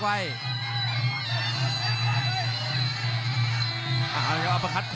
และอัพพิวัตรสอสมนึก